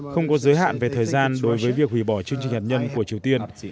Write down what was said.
không có giới hạn về thời gian đối với việc hủy bỏ chương trình hạt nhân của triều tiên